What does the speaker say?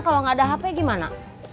kalau nggak ada hp gimana